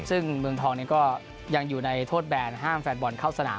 ซึ่งเมืองทองนี้ก็ยังอยู่ในโทษแบนห้ามแฟนบอลเข้าสนาม